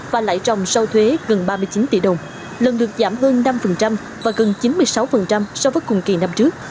và lãi trồng sau thuế gần ba mươi chín tỷ đồng lần được giảm hơn năm và gần chín mươi sáu so với cùng kỳ năm trước